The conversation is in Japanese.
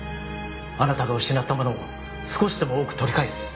あなたが失ったものを少しでも多く取り返す。